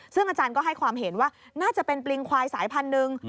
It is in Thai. ซึ่งอาจารย์ก็ให้ความเห็นว่าน่าจะเป็นปริงควายสายพันธุ์หนึ่ง